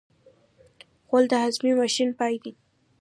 غول د هاضمې ماشین پای دی.